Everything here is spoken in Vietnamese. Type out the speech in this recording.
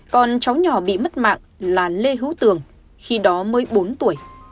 còn cháu nhỏ bị mất mạng là lê hữu tường khi đó mới bốn tuổi